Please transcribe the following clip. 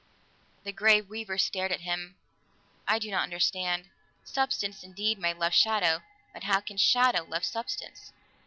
The Grey Weaver stared at him. "I do not understand. Substance, indeed, may love shadow, but how can shadow love substance?"